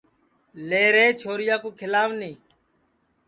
لے رے چھوریا کُو کھیلاو نی